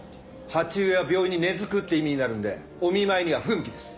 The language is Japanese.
鉢植えは病院に根付くって意味になるんでお見舞いには不向きです。